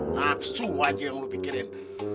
nafsu aja yang lu pikirin